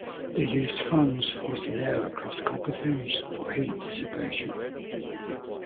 They used fans forcing air across copper fins for heat dissipation.